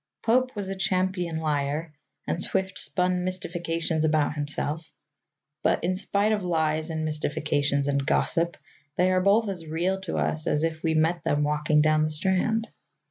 Pope was a champion liar, and Swift spun mystifications about himself. But, in spite of lies and Mystifications and gossip, they are both as real to us as if we met them walking down the Strand.